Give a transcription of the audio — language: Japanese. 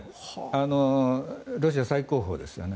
ロシア最高峰ですよね。